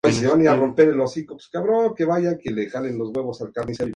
Con ella Norilsk Nickel se convirtió en el mayor productor mundial de nickel.